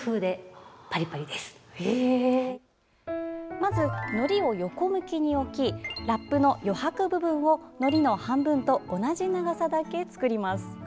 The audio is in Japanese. まず、のりを横向きに置きラップの余白部分をのりの半分と同じ長さだけ作ります。